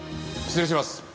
失礼します。